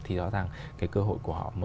thì đó rằng cơ hội của họ